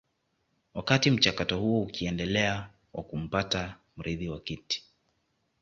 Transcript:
Wakati mchakato huo ukiendelea wa kumpata mrithi wa kiti